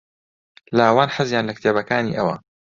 لاوان حەزیان لە کتێبەکانی ئەوە.